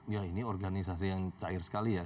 ya ini organisasi yang cair sekali ya